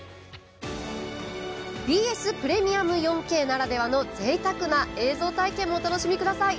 ＢＳプレミアム４Ｋならではのぜいたくな映像体験もお楽しみください。